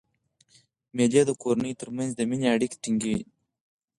مېلې د کورنیو تر منځ د میني اړیکي ټینګي.